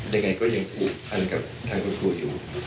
ยังไงก็ยังผูกพันกับทางคุณครูอยู่